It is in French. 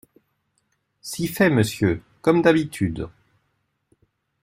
Si fait, monsieur, comme d’habitude.